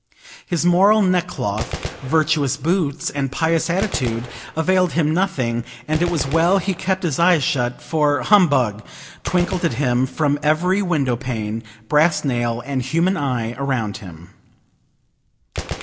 His moral neck cloth, virtuous boots, and pious attitude availed him nothing, and it was well he kept his eyes shut, for "Humbug!" twinkled at him from every window pane, brass nail and human eye around him.